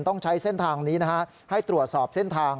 ต้องใช้เส้นทางนี้นะฮะให้ตรวจสอบเส้นทาง